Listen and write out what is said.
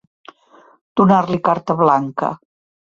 Donar-li carta blanca.